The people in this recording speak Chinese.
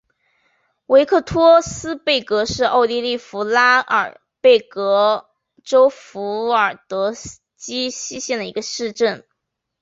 维克托斯贝格是奥地利福拉尔贝格州费尔德基希县的一个市镇。